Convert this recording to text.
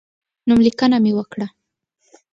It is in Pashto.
نوملیکنه مې وکړه.